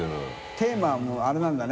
テーマはあれなんだね。